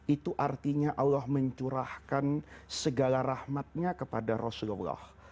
itu artinya allah mencurahkan segala rahmatnya kepada rasulullah